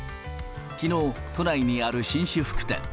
きのう、都内にある紳士服店。